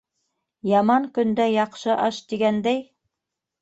Яман көндә - яҡшы аш, тигәндәй...